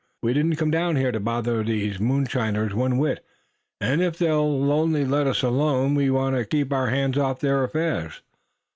We didn't come down here to bother these moonshiners one whit; and if they'll only let us alone, we want to keep our hands off their affairs.